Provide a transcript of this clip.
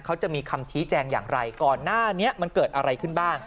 เขาจะมีคำชี้แจงอย่างไรก่อนหน้านี้มันเกิดอะไรขึ้นบ้าง